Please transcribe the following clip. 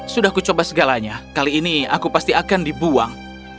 sudah kucoba segalanya kali ini aku pasti akan dibuang